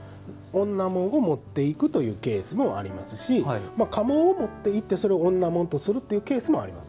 女紋を持っていくというケースもありますし家紋を持っていってそれを女紋とするケースもあります。